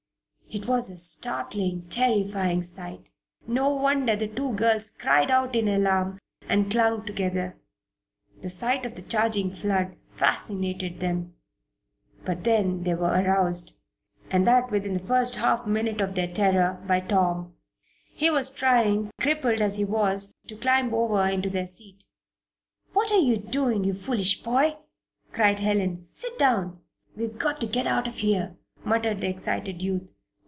It was a startling a terrifying sight. No wonder the two girls cried out in alarm and clung together. The sight of the charging flood fascinated them. But then they were aroused and that within the first half minute of their terror by Tom. He was trying, crippled as he was, to climb over into their seat. "What are you doing, you foolish boy?" cried Helen. "Sit down." "We've got to get out of here!" muttered the excited youth.